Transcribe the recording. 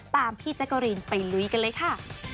พี่แจ๊กกะรีนไปลุยกันเลยค่ะ